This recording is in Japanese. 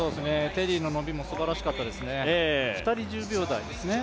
テリーの伸びもすばらしかったですね。